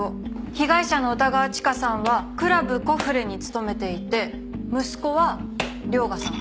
被害者の歌川チカさんはクラブコフレに勤めていて息子は涼牙さん。